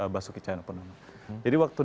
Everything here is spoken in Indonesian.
basuki canepun jadi waktu